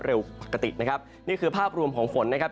เร็วปกตินะครับนี่คือภาพรวมของฝนนะครับ